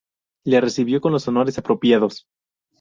Le recibió con los honores apropiados.